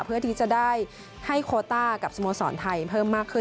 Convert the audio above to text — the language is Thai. เพื่อที่จะได้ให้โคต้ากับสโมสรไทยเพิ่มมากขึ้น